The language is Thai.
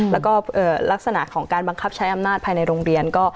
แล้วก็ลักษณะของการบังคับใช้อำนาจภายในโรงเรียนก็